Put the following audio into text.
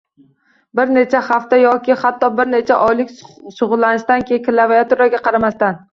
Bir necha hafta yoki hatto bir necha oylik shug’ullanishdan keyin klaviaturaga qaramasdan